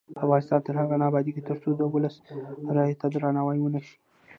افغانستان تر هغو نه ابادیږي، ترڅو د ولس رایې ته درناوی ونشي.